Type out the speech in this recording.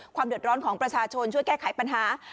เดือดร้อนของประชาชนช่วยแก้ไขปัญหา